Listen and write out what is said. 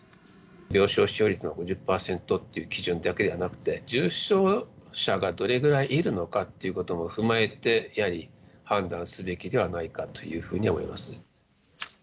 病床使用率の５０％という基準だけではなくて、重症者がどれぐらいいるのかっていうことも踏まえてやはり判断すべきではないかというふうに思います。